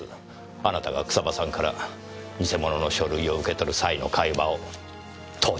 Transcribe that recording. あなたが草葉さんから偽物の書類を受け取る際の会話を盗聴しようとしていたのです。